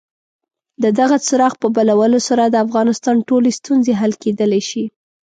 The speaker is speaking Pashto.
د دغه څراغ په بلولو سره د افغانستان ټولې ستونزې حل کېدلای شي.